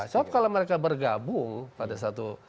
sebab kalau mereka bergabung pada satu